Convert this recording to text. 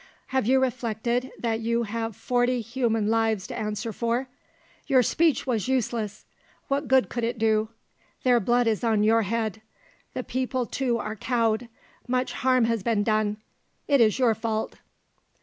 "Have you reflected that you have forty human lives to answer for? Your speech was useless, what good could it do? Their blood is on your head. The people too are cowed. Much harm has been done; it is your fault."